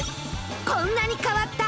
こんなに変わった！